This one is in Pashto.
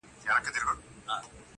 زما د زما د يار راته خبري کوه,